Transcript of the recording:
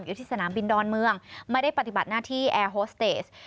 อยู่ที่สนามบินดอนเมืองไม่ได้ปฏิบัติหน้าที่แอร์โฮสเตส